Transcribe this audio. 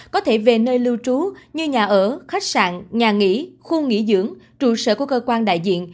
có thể về nơi lưu trú như nhà ở khách sạn nhà nghỉ khu nghỉ dưỡng trụ sở của cơ quan đại diện